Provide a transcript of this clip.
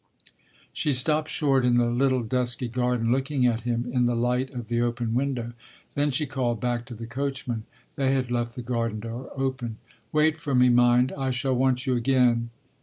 She stopped short in the little dusky garden, looking at him in the light of the open window. Then she called back to the coachman they had left the garden door open "Wait for me, mind; I shall want you again."